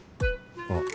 あっ